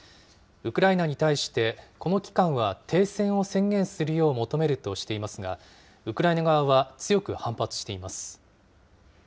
ウクライナに対して、この期間は停戦を宣言するよう求めるとしていますが、ウクライナ側は強く反発しています。